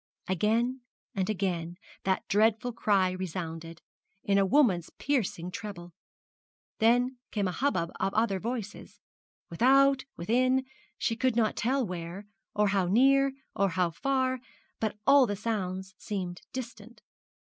Again and again that dreadful cry resounded, in a woman's piercing treble. Then came a hubbub of other voices without, within she could not tell where, or how near, or how far but all the sounds seemed distant.